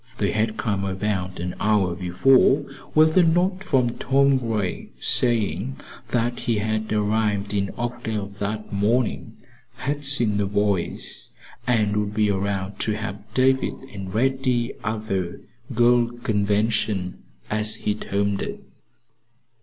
They had come about an hour before with a note from Tom Gray saying that he had arrived in Oakdale that morning, had seen the boys and would be around to help David and Reddy at the "girl convention," as he termed it.